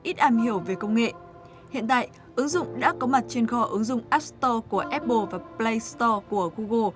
ít am hiểu về công nghệ hiện tại ứng dụng đã có mặt trên go ứng dụng app store của apple và play store của google